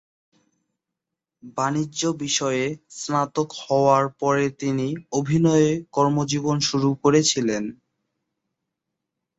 বাণিজ্য বিষয়ে স্নাতক হওয়ার পরে তিনি অভিনয়ে কর্মজীবন শুরু করেছিলেন।